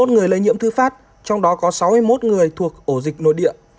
hai mươi một người lây nhiễm thư phát trong đó có sáu mươi một người thuộc ổ dịch nội địa